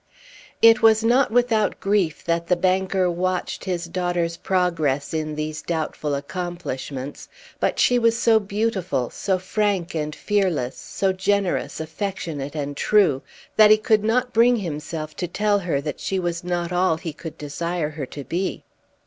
It was not without grief that the banker watched his daughter's progress in these doubtful accomplishments; but she was so beautiful, so frank and fearless, so generous, affectionate, and true, that he could not bring himself to tell her that she was not all he could desire her to be.